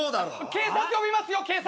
警察呼びますよ警察。